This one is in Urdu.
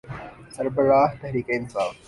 سربراہ تحریک انصاف۔